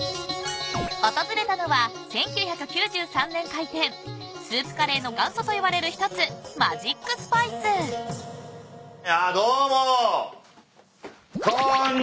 ［訪れたのは１９９３年開店スープカレーの元祖といわれる一つマジックスパイス］いやどうも。